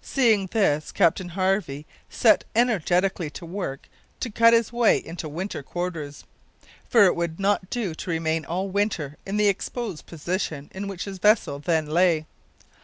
Seeing this, Captain Harvey set energetically to work to cut his way into winter quarters, for it would not do to remain all winter in the exposed position in which his vessel then lay.